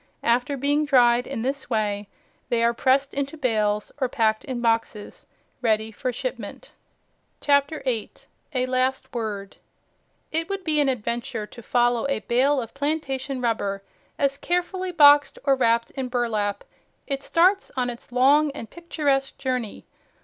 After being dried in this way they are pressed into bales or packed in boxes ready for shipment. CHAPTER 8 A LAST WORD It would be an adventure to follow a bale of plantation rubber as, carefully boxed or wrapped in burlap, it starts on its long and picturesque journey.